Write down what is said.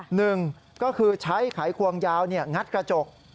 หนึ่งก็คือใช้ไขควงยาวงัดกระจก